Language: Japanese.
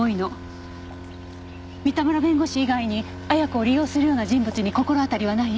三田村弁護士以外に亜矢子を利用するような人物に心当たりはない？